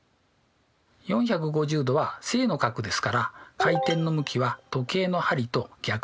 ４５０°は正の角ですから回転の向きは時計の針と逆の向きです。